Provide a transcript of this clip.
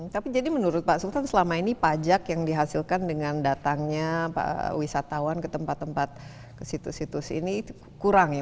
tapi jadi menurut pak sultan selama ini pajak yang dihasilkan dengan datangnya wisatawan ke tempat tempat ke situs situs ini kurang ya